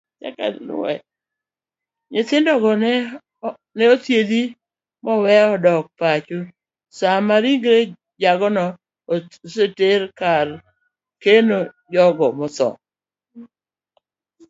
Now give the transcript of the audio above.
Nyithindogo ne othiedh maowe odok pacho sama ringre jagono oseter ekar kano jogo mothoo.